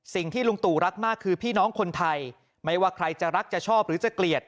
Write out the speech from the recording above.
สิ่งที่ลุงตู่รักมากคือพี่น้องคนไทยไม่ว่าใครจะรักจะชอบหรือจะเกลียด